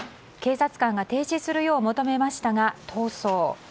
警察官が停止するよう求めましたが逃走。